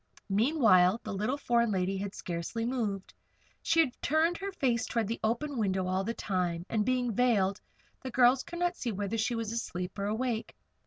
Meanwhile the little foreign lady had scarcely moved. She had turned her face toward the open window all the time, and being veiled, the girls could not see whether she was asleep, or awake.